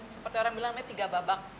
seperti orang bilang tiga babak